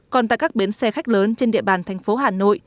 còn tại các bến xe khách lớn trên địa bàn thành phố hà nội